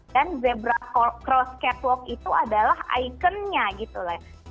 dan zebra cross catwalk itu adalah ikonnya gitu lah ya